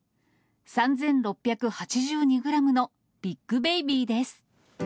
３６８２グラムのビッグベイビーです。